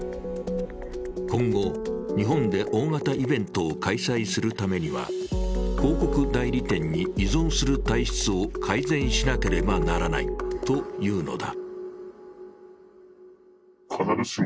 今後、日本で大型イベントを開催するためには、広告代理店に依存する体質を改善しなければならないというのだ。